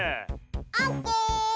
オッケー！